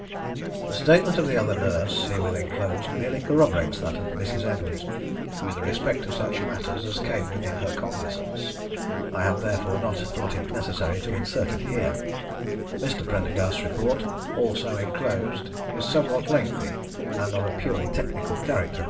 _ The statement of the other nurse, herewith enclosed, merely corroborates that of Mrs. Edwards, with respect to such matters as came within her cognisance. I have therefore not thought it necessary to insert it here. Mr. Prendergast's report, also enclosed, is somewhat lengthy, and of a purely technical character.